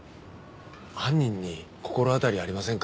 犯人に心当たりありませんか？